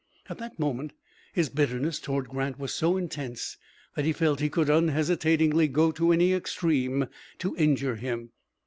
At that moment his bitterness toward Grant was so intense that he felt he could unhesitatingly go to any extreme to injure him.